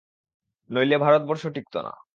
নইলে ভারতবর্ষ টিঁকত না।